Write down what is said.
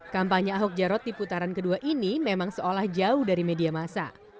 kampanye ahok jarot di putaran kedua ini memang seolah jauh dari media masa